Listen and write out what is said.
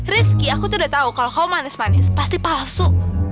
rizky aku tuh udah tahu kalau kau manis manis pasti palsu